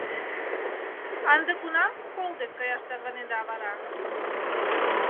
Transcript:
— А ынде кунам «кол дек» каяш тарванеда вара?